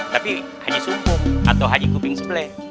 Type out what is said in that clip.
tapi haji sumpung atau haji kuping seble